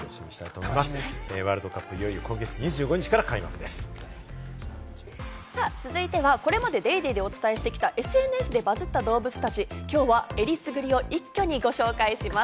ワールドカップ、いよいよ今続いてはこれまで『ＤａｙＤａｙ．』でお伝えしてきたＳＮＳでバズった動物たち、きょうはえりすぐりを一挙にご紹介します。